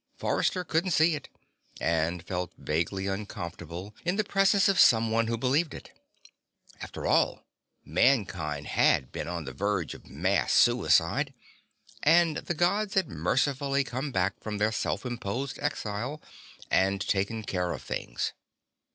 Forrester couldn't see it, and felt vaguely uncomfortable in the presence of someone who believed it. After all, mankind had been on the verge of mass suicide, and the Gods had mercifully come back from their self imposed exile and taken care of things.